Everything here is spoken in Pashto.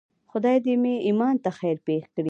خدای دې مې ایمان ته خیر پېښ کړي.